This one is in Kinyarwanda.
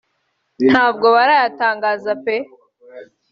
ntabwo barayatangaza pe”